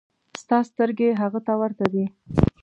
ستا سترګې هغه ته ورته دي.